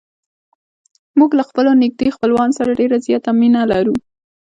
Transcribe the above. موږ له خپلو نږدې خپلوانو سره ډېره زیاته مینه لرو.